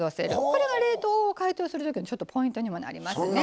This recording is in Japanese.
これは冷凍を解凍するときのちょっとポイントにもなりますね。